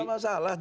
tidak ada masalah